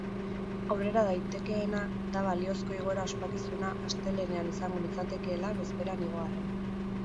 Aurrera daitekeena da balizko igoera ospakizuna astelehenean izango litzatekeela bezperan igo arren.